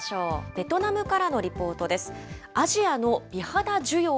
ベトナムからのリポートです。